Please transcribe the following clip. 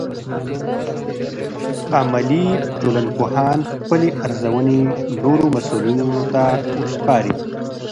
عملي ټولنپوهان خپلې ارزونې نورو مسؤلینو ته سپاري.